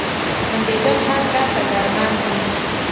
• خندېدل هر درد ته درمل دي.